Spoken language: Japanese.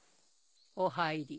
お入り。